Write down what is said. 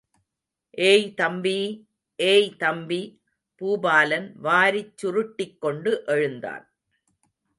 ஏய், தம்பி.... ஏய், தம்பி பூபாலன் வாரிச்சுருட்டிக் கொண்டு எழுந்தான்.